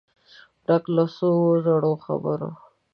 ډک له څو زړو خبرو